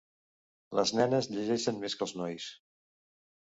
Les nenes llegeixen més que els nois.